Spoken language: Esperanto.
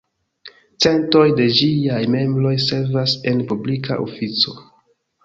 Centoj de ĝiaj membroj servas en publika ofico.